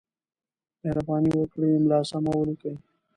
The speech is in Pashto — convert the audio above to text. مهرباني وکړئ! املا سمه ولیکئ!